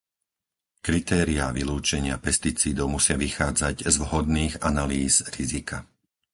Kritériá vylúčenia pesticídov musia vychádzať z vhodných analýz rizika.